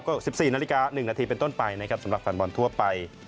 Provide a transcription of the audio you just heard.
ก็๑๔นาฬิกา๑นาทีเป็นต้นไปนะครับสำหรับแฟนบอลทั่วไป